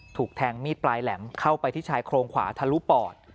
ถูกแทงมีดปลายแหลมเข้าไปที่ชายโครงขวาทะลุปอด